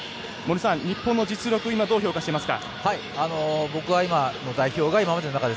日本の実力どう評価していますか？